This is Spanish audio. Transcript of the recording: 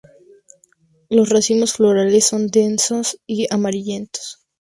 Los racimos florales son densos y amarillentos.